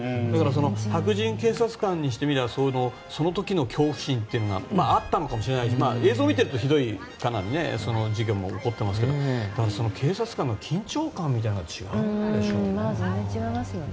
白人警察官にしてみればその時の恐怖心というのがあったのかもしれないし映像を見ているとかなりひどい事件も起きていますけど警察官の緊張感みたいなのが違うんでしょうね。